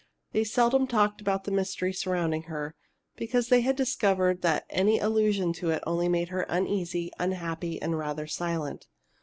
They seldom talked abut the mystery surrounding her, because they had discovered that any allusion to it only made her uneasy, unhappy, and rather silent.